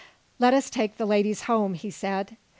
"Let us take the ladies home," he said.